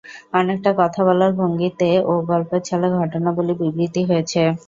অনেকটা কথা বলার ভঙ্গিতে ও গল্পের ছলে ঘটনাবলী বিবৃত হয়েছে।